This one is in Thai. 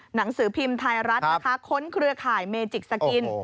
หนังสือพิมพ์ไทยรัฐนะคะค้นเครือข่ายเมจิกสกิน